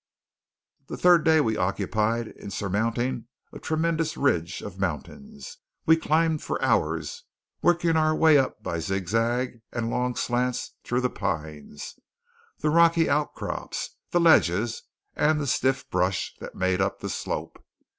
The third day we occupied in surmounting a tremendous ridge of mountains. We climbed for hours, working our way up by zigzag and long slants through the pines, the rocky outcrops, the ledges, and the stiff brush that made up the slope.